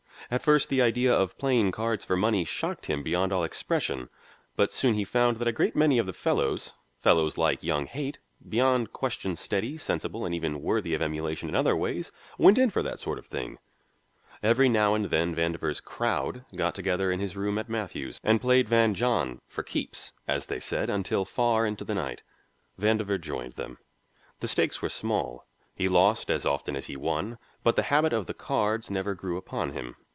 At first the idea of playing cards for money shocked him beyond all expression. But soon he found that a great many of the fellows, fellows like young Haight, beyond question steady, sensible and even worthy of emulation in other ways, "went in for that sort of thing." Every now and then Vandover's "crowd" got together in his room in Matthew's, and played Van John "for keeps," as they said, until far into the night. Vandover joined them. The stakes were small, he lost as often as he won, but the habit of the cards never grew upon him.